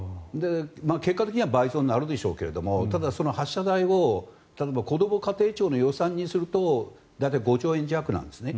結果的には倍増になるでしょうけどただ、その発射台を例えばこども家庭庁の予算にすると大体５兆円弱なんですね。